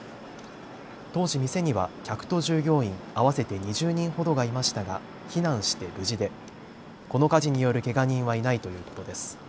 当時、店には客と従業員合わせて２０人ほどがいましたが避難して無事でこの火事によるけが人はいないということです。